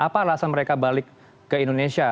apa alasan mereka balik ke indonesia